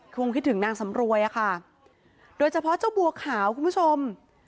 คงคิดถึงนางสำรวยอะค่ะโดยเฉพาะเจ้าบัวขาวคุณผู้ชม